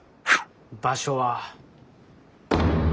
場所は。